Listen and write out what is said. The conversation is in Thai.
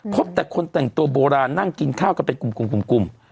พบแต่คนแต่งตัวโบราณนั่งกินข้าวกันเป็นกลุ่ม